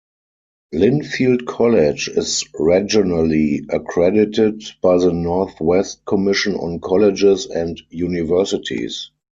Linfield College is regionally accredited by the Northwest Commission on Colleges and Universities.